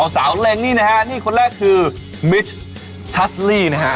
สาวเล็งนี่นะฮะนี่คนแรกคือมิชชัชลี่นะฮะ